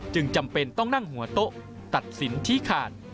จำเป็นต้องนั่งหัวโต๊ะตัดสินชี้ขาด